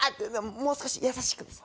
もう少し優しくです